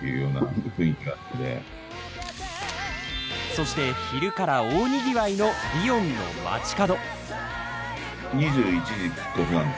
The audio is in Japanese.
そして、昼から大にぎわいのリヨンの街角。